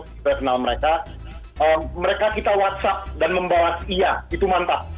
kita kenal mereka mereka kita whatsapp dan membawa iya itu mantap